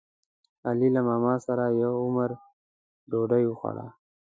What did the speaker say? علي له ماماسره یو عمر ډوډۍ وخوړه.